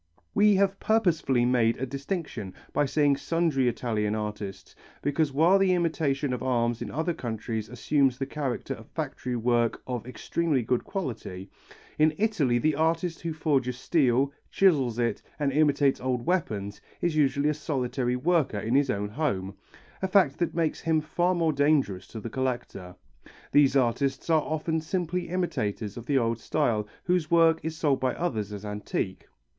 We have purposely made a distinction by saying sundry Italian artists, because while the imitation of arms in other countries assumes the character of factory work of extremely good quality, in Italy the artist who forges steel, chisels it and imitates old weapons, is usually a solitary worker in his own home, a fact that makes him far more dangerous to the collector. These artists are often simply imitators of the old style whose work is sold by others as antique.